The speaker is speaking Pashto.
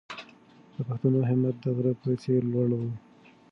د پښتنو همت د غره په څېر لوړ و.